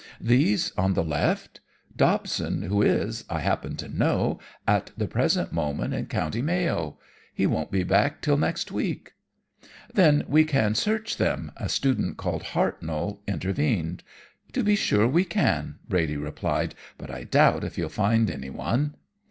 These on the left Dobson, who is, I happen to know, at the present moment in Co. Mayo. He won't be back till next week.' "'Then we can search them,' a student called Hartnoll intervened. "'To be sure we can,' Brady replied, 'but I doubt if you'll find anyone.'